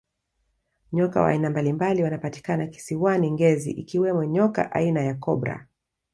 nyoka wa aina mbalimbali wanapatikana kisiwani ngezi akiwemo nyoka aina ya cobra